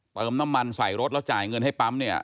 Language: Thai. เติมน้ำมันใส่รถแล้วจ่ายเงินให้ปั๊มเนี่ย